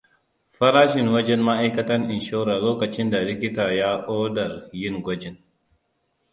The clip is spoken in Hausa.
Farashin wajen Ma’aikatan inshora lokacinda likita ya odar yin gwajin.